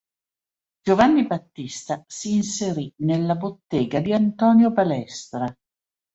Giovanni Battista si inserì nella Bottega di Antonio Balestra.